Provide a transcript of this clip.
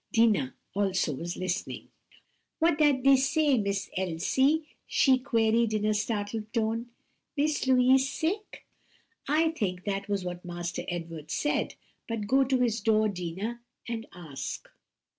Dinah also was listening. "What dat dey say, Miss Elsie?" she queried in a startled tone, "Miss Louise sick?" "I think that was what Master Edward said; but go to his door, Dinah, and ask."